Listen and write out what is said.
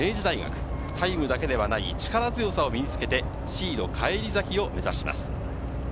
予選会トップ通過の明治大学、タイムだけではない力強さを身につけてシード返り咲きを目指します。